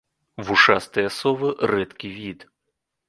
Вушастыя совы рэдкі від.